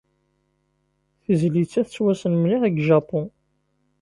Tizlit-a tettwassen mliḥ deg Japun.